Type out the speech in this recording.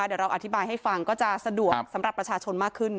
เดี๋ยวเราอธิบายให้ฟังก็จะสะดวกสำหรับประชาชนมากขึ้น